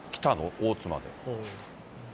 大津まで。